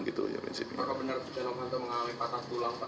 pakak benar jelanghanta mengalami patah tulang